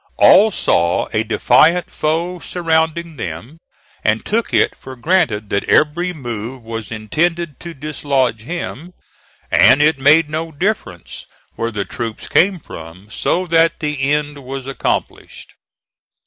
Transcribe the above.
All saw a defiant foe surrounding them, and took it for granted that every move was intended to dislodge him, and it made no difference where the troops came from so that the end was accomplished.